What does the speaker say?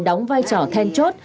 đóng vai trò then chốt